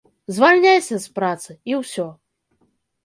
Звальняйся з працы, і ўсё.